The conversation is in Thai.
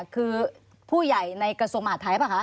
คือผู้ใหญ่ในกระทรวงมหาดไทยป่ะคะ